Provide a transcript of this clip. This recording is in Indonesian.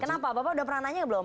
kenapa bapak udah pernah nanya belum